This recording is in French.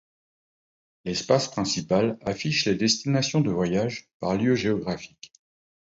L'espace principal affiche les destinations de voyages par lieu géographique.